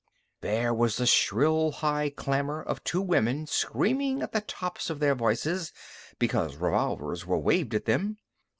There was the shrill high clamor of two women screaming at the tops of their voices because revolvers were waved at them.